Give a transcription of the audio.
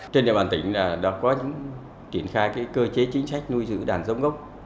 trên địa bàn tỉnh đã có những triển khai cơ chế chính sách nuôi giữ đàn giống gốc